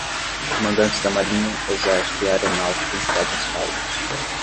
Comandantes da marinha, exército e aeronáutica entregam os cargos